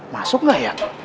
masuk gak ya